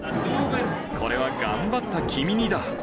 これは頑張った君にだ。